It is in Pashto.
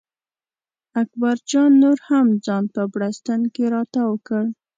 اکبر جان نور هم ځان په بړسټن کې را تاو کړ.